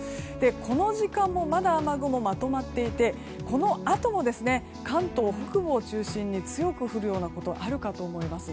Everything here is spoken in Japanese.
この時間もまだ雨雲まとまっていてこのあとも関東北部を中心に強く降るようなことがあるかと思います。